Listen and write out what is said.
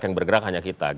yang bergerak hanya kita